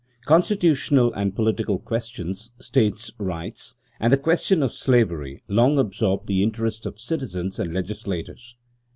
Constitutional and political questions, states rights, and the question of slavery, long absorbed the interest of citizens and legislators.